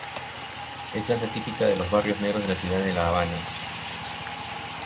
Es danza típica de los barrios negros de la ciudad de La Habana.